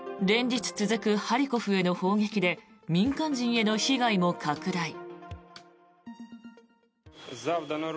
連日続くハリコフへの砲撃で民間人への被害も拡大。